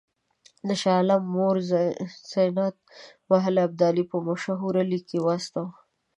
د شاه عالم مور زینت محل ابدالي په مشوره لیک واستاوه.